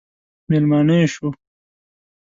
مېلمانه یې شو.